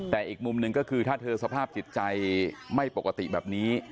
แต่อีกมุมหนึ่งก็คือถ้าเธอสภาพจิตใจไม่ปกติแบบนี้